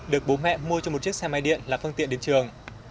được bố mẹ mua cho một chiếc xe máy điện là phương tiện đến trường